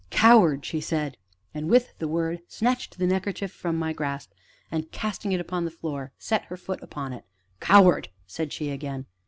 "Coward!" she said, and, with the word, snatched the neckerchief from my grasp, and, casting it upon the floor, set her foot upon it. "Coward!" said she again.